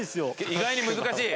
意外に難しい？